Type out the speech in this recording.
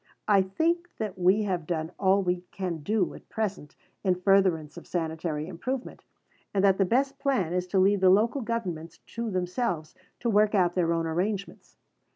I think that we have done all we can do at present in furtherance of sanitary improvement, and that the best plan is to leave the Local Governments to themselves to work out their own arrangements.